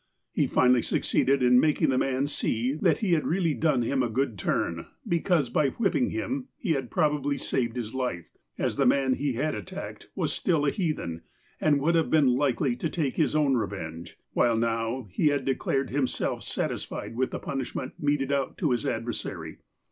He finally succeeded in making the man see that he had really done him a good turn, because, by whipping him, he had probably saved his life, as the man he had attacked was still a heathen, and would have been likely to take his own revenge, while now he had declared himself satisfied with the punishment meted out to his adversary.